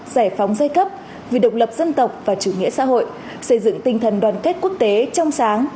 giải phóng giai cấp vì độc lập dân tộc và chủ nghĩa xã hội xây dựng tinh thần đoàn kết quốc tế trong sáng